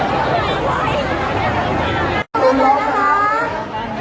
ขอบคุณมากนะคะแล้วก็แถวนี้ยังมีชาติของ